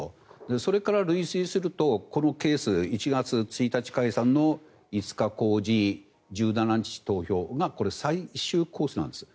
それから類推するとこのケース１２月１日解散の５日公示、１７日投票が最終コースなんです。